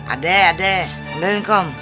ada ada berenkom